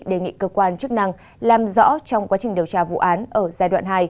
đề nghị cơ quan chức năng làm rõ trong quá trình điều tra vụ án ở giai đoạn hai